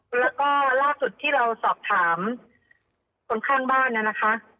แล้วก็ล่าสุดที่เราสอบถามคนข้างบ้านเนี่ยนะคะ